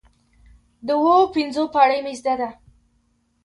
د دوو او پنځو پاړۍ مې زده ده،